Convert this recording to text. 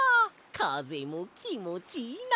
かぜもきもちいいな。